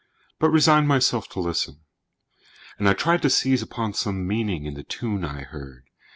but resigned Myself to listen, and I tried to seize Upon some meaning in the tune I heard.